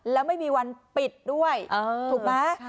แล้วไม่มีวันปิดด้วยถูกไหม